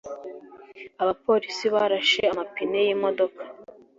Abapolisi barashe amapine yimodoka.